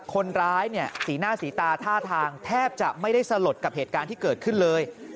คนร้ายเนี่ยสีหน้าสีตาท่าทางแทบจะไม่ได้สลดกับเหตุการณ์ที่เกิดขึ้นเลย